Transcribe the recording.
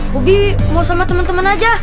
bobi mau sama temen temen aja